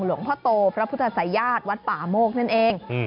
หลวงพ่อโตพระพุทธศัยญาติวัดป่าโมกนั่นเอง